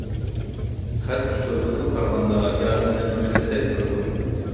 خەت ئۇسلۇبىدىن قارىغاندا، ياسىنجاننىڭ خېتىدەك قىلىدۇ.